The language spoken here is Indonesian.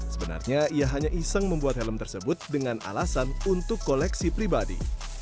sebenarnya ia hanya iseng membuat helm tersebut dengan alasan untuk koleksi pribadi